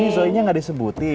ini zoe nya nggak disebutin